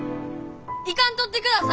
行かんとってください！